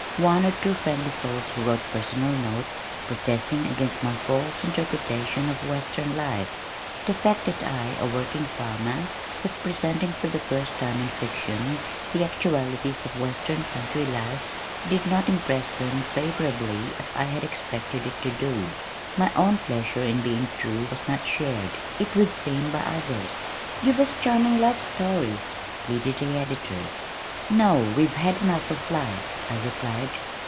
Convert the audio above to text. One or two friendly souls wrote personal notes protesting against my "false interpretation of western life." The fact that I, a working farmer, was presenting for the first time in fiction the actualities of western country life did not impress them as favorably as I had expected it to do. My own pleasure in being true was not shared, it would seem, by others. "Give us charming love stories!" pleaded the editors. "No, we've had enough of lies," I replied.